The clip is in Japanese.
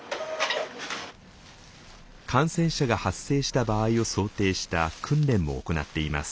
感染者が発生した場合を想定した訓練も行っています。